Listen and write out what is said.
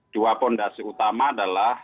dua fondasi utama adalah